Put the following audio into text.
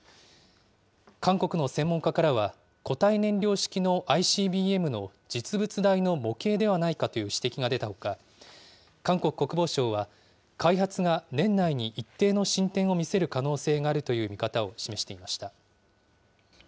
韓国の専門家からは、固体燃料式のＩＣＢＭの実物大の模型ではないかという指摘が出たほか、韓国国防省は、開発が年内に一定の進展を見せる可能性があるという見方を示していました。